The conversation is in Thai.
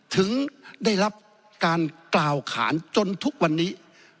ถึงได้รับการกล่าวขานจนทุกวันนี้